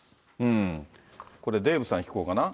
これ、デーブさんに聞こうかな。